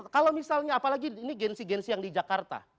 kalau misalnya apalagi ini gensi gensi yang di jakarta